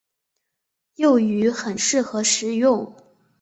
幼鱼很适合食用。